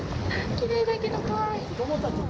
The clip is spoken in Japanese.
きれいだけど怖い。